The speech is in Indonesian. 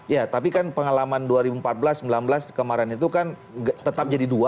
ya tapi kan pengalaman dua ribu empat belas dua ribu sembilan belas kemarin itu kan tetap jadi dua